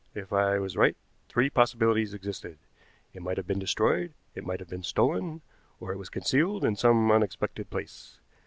If I was right three possibilities existed. It might have been destroyed, it might have been stolen, or it was concealed in some unexpected place.